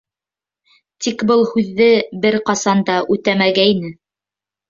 Тик был һүҙҙе бер ҡасан да үтәмәгәйне.